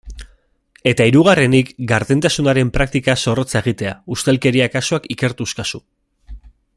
Eta hirugarrenik, gardentasunaren praktika zorrotza egitea, ustelkeria kasuak ikertuz kasu.